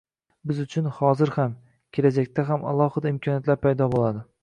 Biz uchun – hozir ham, kelajakda ham – alohida imkoniyatlar paydo bo‘ladi